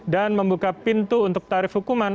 membuka pintu untuk tarif hukuman